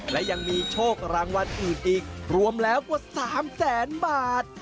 และยังมีโชครางวัลอื่นอีกรวมแล้วกว่า๓แสนบาท